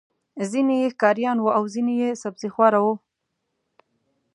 ځینې یې ښکاریان وو او ځینې یې سبزيخواره وو.